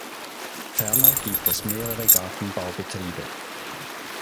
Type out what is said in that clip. Ferner gibt es mehrere Gartenbaubetriebe.